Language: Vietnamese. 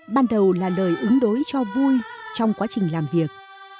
ban đầu là lời ứng đối cho vui trong quá trình làm việc